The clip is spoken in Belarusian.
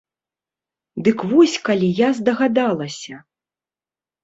Дык вось калі я здагадалася!